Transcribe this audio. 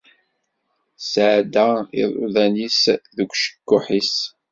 Tesεedda iḍudan-is deg ucekkuḥ-is.